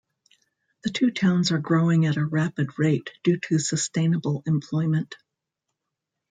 The two towns are growing at a rapid rate due to sustainable employment.